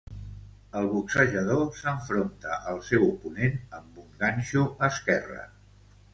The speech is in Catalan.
El boxejador s'enfronta al seu oponent amb un ganxo esquerre.